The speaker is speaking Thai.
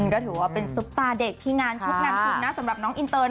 ก็ถือว่าเป็นซุปตาเด็กที่งานชุดงานชุดนะสำหรับน้องอินเตอร์